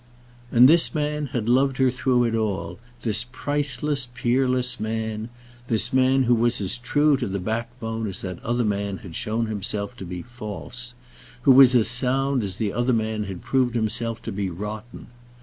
And this man had loved her through it all, this priceless, peerless man, this man who was as true to the backbone as that other man had shown himself to be false; who was as sound as the other man had proved himself to be rotten.